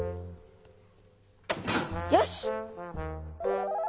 よし！